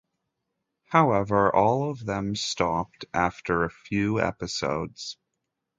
However, all of them stopped after a few episodes.